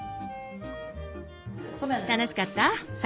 楽しかった？